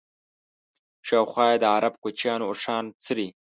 شاوخوا یې د عرب کوچیانو اوښان څري.